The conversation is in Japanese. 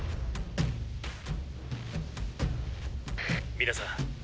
皆さん。